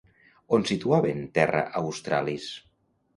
On situaven Terra Australis?